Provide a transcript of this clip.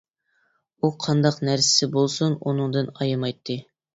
ئۇ قانداق نەرسىسى بولسۇن ئۇنىڭدىن ئايىمايتتى.